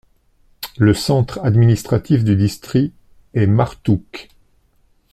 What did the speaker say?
Le centre administratif du district est Martuk.